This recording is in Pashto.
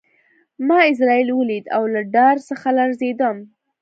ما عزرائیل ولید او له ډار څخه لړزېدم